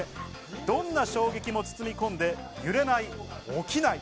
どんな衝撃も包み込んで揺れない起きない。